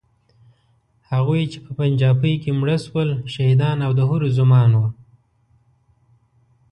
هغوی چې په پنجابۍ کې مړه شول، شهیدان او د حورو زومان وو.